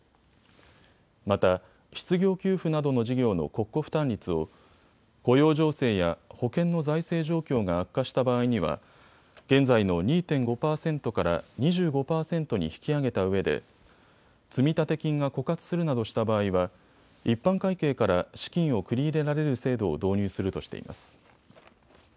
また、失業給付などの事業の国庫負担率を雇用情勢や保険の財政状況が悪化した場合には現在の２．５％から２５％に引き上げたうえで積立金が枯渇するなどした場合は一般会計から資金を繰り入れられる制度を導入するとしています。